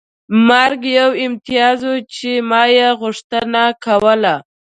مرګ یو امتیاز و چې ما یې غوښتنه کوله